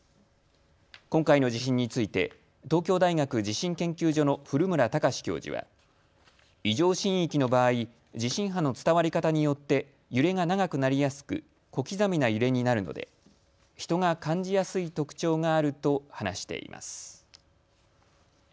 今回の地震について東京大学地震研究所の古村孝志教授は異常震域の場合、地震波の伝わり方によって揺れが長くなりやすく小刻みな揺れになるので人が感じやすい特徴があると話しています。